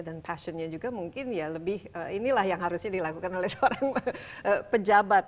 dan passionnya juga mungkin ya lebih inilah yang harusnya dilakukan oleh seorang pejabat